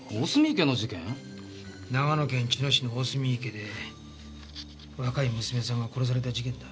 長野県茅野市の大澄池で若い娘さんが殺された事件だ。